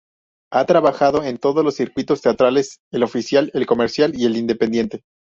Ha trabajado en todos los circuitos teatrales: el oficial, el comercial y el independiente.